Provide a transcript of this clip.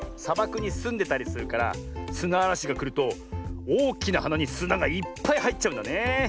さばくにすんでたりするからすなあらしがくるとおおきなはなにすながいっぱいはいっちゃうんだねえ。